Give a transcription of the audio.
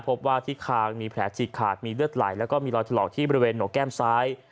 พบว่าที่คางมีแผลฉีกขาดมีเลือดไหลแล้วก็มีรอยถลอกที่บริเวณหนกแก้มซ้าย